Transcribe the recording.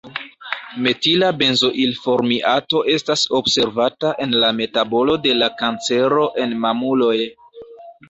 Metila benzoilformiato estas observata en la metabolo de la kancero en mamuloj.